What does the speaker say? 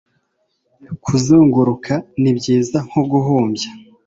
Kuzunguruka ni byiza nko guhumbya